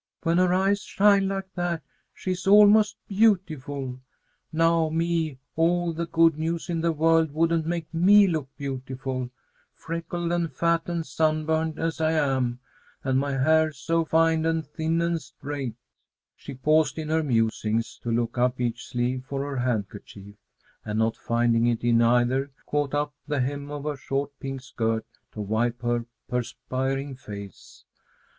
When her eyes shine like that, she's almost beautiful. Now me, all the good news in the world wouldn't make me look beautiful, freckled and fat and sunburned as I am, and my hair so fine and thin and straight " She paused in her musings to look up each sleeve for her handkerchief, and not finding it in either, caught up the hem of her short pink skirt to wipe her perspiring face.